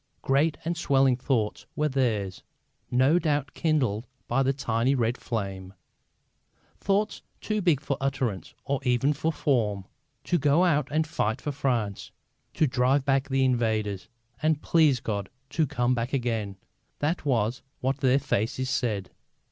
Great and swelling thoughts were theirs, no doubt, kindled by that tiny red flame: thoughts too big for utterance or even for form. To go out and fight for France, to drive back the invaders, and, please God, to come back again that was what their faces said.